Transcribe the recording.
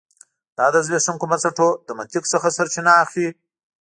دا د زبېښونکو بنسټونو له منطق څخه سرچینه اخلي